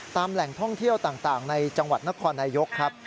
แหล่งท่องเที่ยวต่างในจังหวัดนครนายกครับ